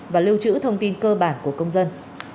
và lưu trữ thông tin cơ bản của công dân